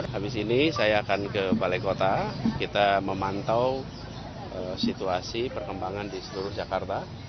habis ini saya akan ke balai kota kita memantau situasi perkembangan di seluruh jakarta